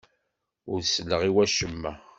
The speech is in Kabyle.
Ur selleɣ i wacemma.